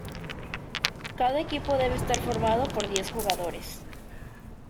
Cada equipo debe estar formado por diez jugadores.